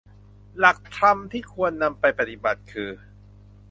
หลักธรรมที่ควรนำไปปฏิบัติคือ